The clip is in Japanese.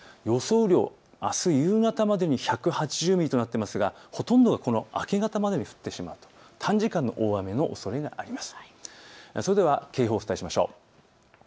雨量、あす夕方までで１８０ミリとなっていますがほとんどが明け方までに降ってしまう、短時間の大雨の可能性があります。